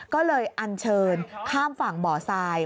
ก็เลยอันเชิญข้ามฝั่งบ่อทราย